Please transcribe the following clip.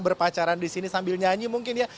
berpacaran di sini sambil nyanyi mungkin ya